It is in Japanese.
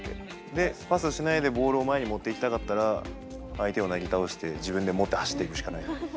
でパスしないでボールを前に持っていきたかったら相手をなぎ倒して自分で持って走っていくしかない。